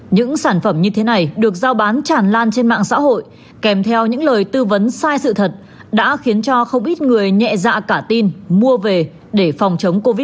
những sản phẩm như thế này được giao bán tràn lan trên mạng xã hội kèm theo những lời tư vấn sai sự thật đã khiến cho không ít người nhẹ dạ cả tin mua về để phòng chống covid một mươi chín